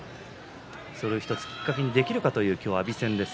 これを１つきっかけにできるかという今日、阿炎戦です。